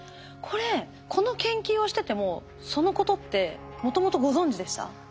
これこの研究をしててもそのことってもともとご存じでした？